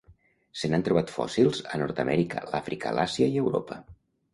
Se n'han trobat fòssils a Nord-amèrica, l'Àfrica, l'Àsia i Europa.